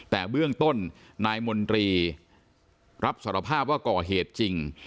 แต่เบื้องต้นนายมนตรีรับสารภาพว่าก่อเหตุจริง